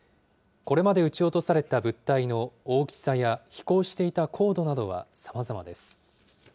これまで撃ち落とされた物体の大きさや飛行していた高度などはさまざまです。